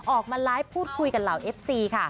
ออกมาไลฟ์พูดคุยกับเหล่าเอฟซีค่ะ